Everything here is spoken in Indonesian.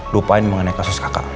lupain mengenai kasus kakak